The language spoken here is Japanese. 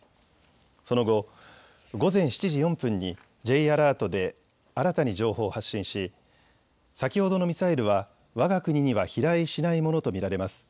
その後、午前７時４分にＪアラートで新たに情報を発信し先ほどのミサイルはわが国には飛来しないものと見られます。